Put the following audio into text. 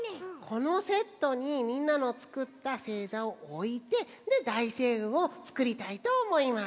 このセットにみんなのつくったせいざをおいてでだいせいうんをつくりたいとおもいます。